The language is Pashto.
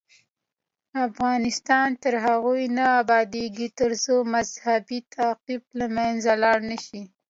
افغانستان تر هغو نه ابادیږي، ترڅو مذهبي تعصب له منځه لاړ نشي.